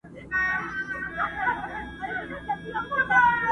دوی داسې احساس کوي لکه له نړۍ څخه جلا او هير سوي وي،